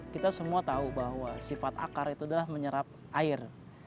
kita semua tahu bahwa sifat akar itu adalah menyerap air